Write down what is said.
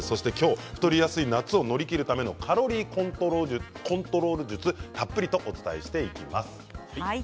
太りやすい夏を乗り切るためのカロリーコントロール術をたっぷりとお伝えしていきます。